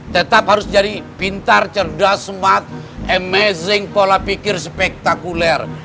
tetap harus jadi pintar cerdas smart amazing pola pikir spektakuler